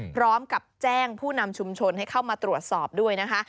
พร้อมกับแจ้งผู้นำชุมชนให้เข้ามาตรวจสอบด้วยนะคะ